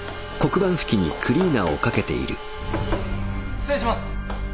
失礼します。